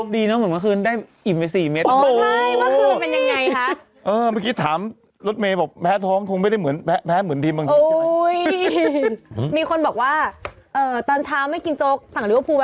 ดูอรมะดีเนอะเหมือนเมื่อคืนได้อินไว้๔เมตร